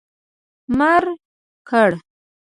مړ کړه.